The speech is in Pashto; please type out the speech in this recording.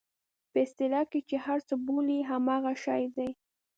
په اصطلاح کې چې یې هر څه بولئ همغه شی دی.